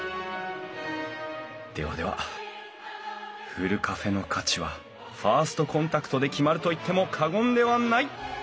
ではではふるカフェの価値はファーストコンタクトで決まると言っても過言ではない！